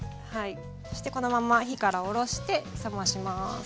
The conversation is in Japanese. そしてこのまんま火から下ろして冷まします。